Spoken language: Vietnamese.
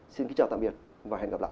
xin kính chào tạm biệt và hẹn gặp lại